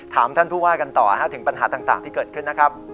ท่านผู้ว่ากันต่อถึงปัญหาต่างที่เกิดขึ้นนะครับ